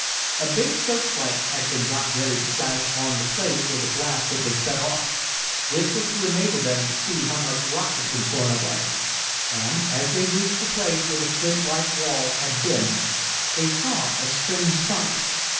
A big search light had been got ready to flash on the place where the blast had been set off. This was to enable them to see how much rock had been torn away. And, as they reached the place where the flint like wall had been, they saw a strange sight.